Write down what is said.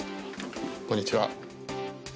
こんにちは。